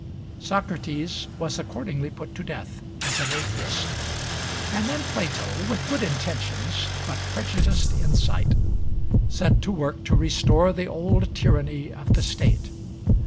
Socrates was accordingly put to death as an atheist; and then Plato, with good intentions but prejudiced insight, set to work to restore the old tyranny of the State.